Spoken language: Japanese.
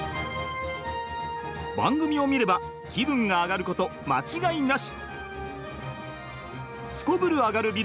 番組を見れば気分がアガること間違いなし！